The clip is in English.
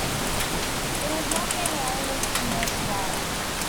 It has not been widely commercialized.